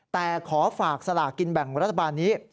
แต่ขอฝากสลากินแบ่งรัฐบาลนี้